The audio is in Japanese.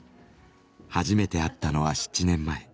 初めて会ったのは７年前。